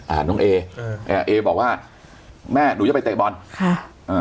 อ่าน้องเอเออเอ่อเอบอกว่าแม่หนูจะไปเตะบอลค่ะอ่า